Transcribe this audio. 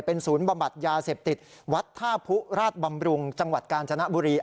เป็นศูนย์บำบัดยาเสพติดวัดท่าผู้ราชบำรุงจังหวัดกาญจนบุรี